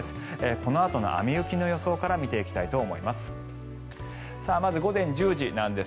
このあとの雨、雪の予想から見ていきたいと思います。